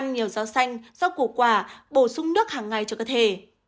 nhiều rau xanh rau củ quả bổ sung nước hàng ngày cho cơ thể